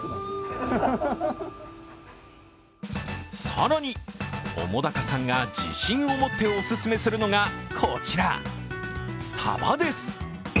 更に、澤潟さんが自信を持ってお勧めするのが、こちら、サバです。